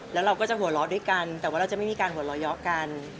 แล้วเราก็จะหัวเราะด้วยกันแต่ว่าเราจะไม่มีการหัวเราะกัน